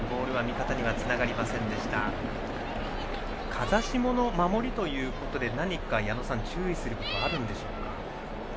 風下の守りということで何か、矢野さん注意することはあるんでしょうか。